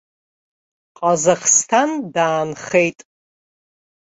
Ҟазахсҭан даанхеит.